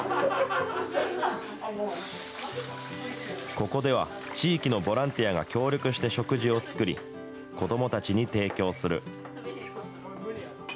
ここでは地域のボランティアが協力して食事を作り、子どもたちに提供する。